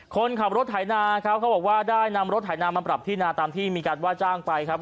คนขับรถไถนาครับเขาบอกว่าได้นำรถไถนามาปรับที่นาตามที่มีการว่าจ้างไปครับ